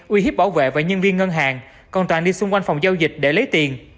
uy hiếp bảo vệ và nhân viên ngân hàng còn toàn đi xung quanh phòng giao dịch để lấy tiền